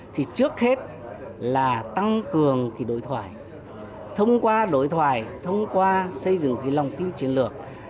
trước hết là tăng cường đối thoại thông qua đối thoại thông qua xây dựng lòng tin chiến lược